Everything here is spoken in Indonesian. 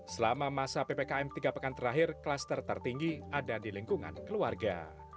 selama masa ppkm tiga pekan terakhir klaster tertinggi ada di lingkungan keluarga